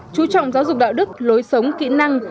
chú trọng giáo dục đạo đức lối sống kỹ năng